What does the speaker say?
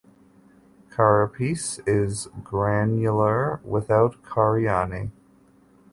Carapace is granular without carinae.